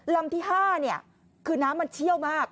ลำที่๕คือน้ำมันเชี่ยวมาก